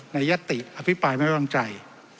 ในยศติทฯที่อภิบายไม่อ่อนใจ